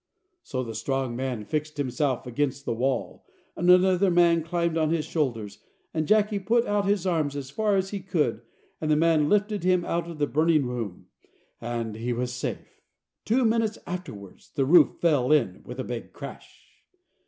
So the strong man fixed himself against the wall, and another man climbed on his shoulders, and Jacky put out his arms as far as he could, and the man lifted him out of the burning room, and he was safe. Two minutes afterwards the roof fell in with a big crash.